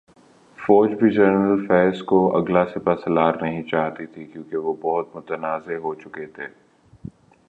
فوج بھی جنرل فیض کو اگلا سپاسالار نہیں چاہتی تھی، کیونکہ وہ بہت متنازع ہوچکے تھے۔۔